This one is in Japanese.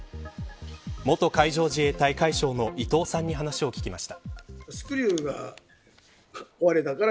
元海上自衛隊海将の伊藤さんに話を聞きました。